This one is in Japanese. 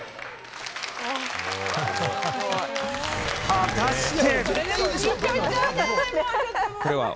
果たして。